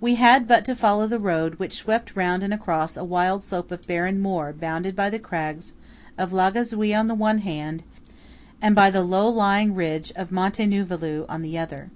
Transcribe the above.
We had but to follow the road, which swept round and across a wild slope of barren moor bounded by the crags of Lagazuoi on the one hand, and by the low lying ridge of Monte Nuvulau on the other.